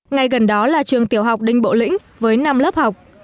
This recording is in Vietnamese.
ngay gần đó là trường tiểu học đinh bộ lĩnh với năm lớp học